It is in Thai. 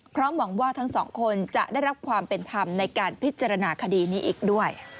หวังว่าทั้งสองคนจะได้รับความเป็นธรรมในการพิจารณาคดีนี้อีกด้วย